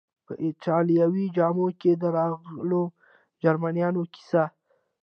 په ایټالوي جامو کې د راغلو جرمنیانو کیسه.